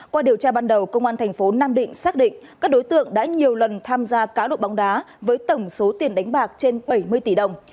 qua điều tra ban đầu công an thành phố nam định xác định các đối tượng đã nhiều lần tham gia cá độ bóng đá với tổng số tiền đánh bạc trên bảy mươi tỷ đồng